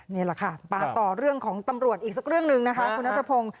นี่แหละค่ะมาต่อเรื่องของตำรวจอีกสักเรื่องหนึ่งนะคะคุณนัทพงศ์